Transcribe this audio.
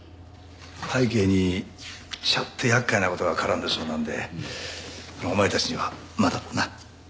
背景にちょっと厄介な事が絡んでそうなんでお前たちにはまだな。